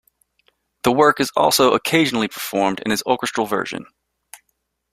The work is also occasionally performed in its orchestral version.